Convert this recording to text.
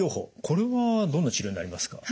これはどんな治療になりますか？